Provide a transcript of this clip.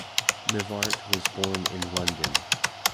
Mivart was born in London.